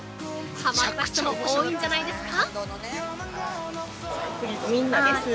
はまった人も多いんじゃないですか。